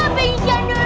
ya pingsan duluan